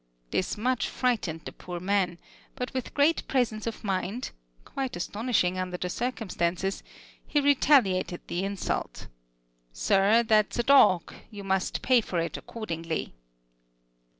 This much frightened the poor man, but with great presence of mind, quite astonishing under the circumstances, he retaliated the insult: "Sir, that's a dog; you must pay for it accordingly."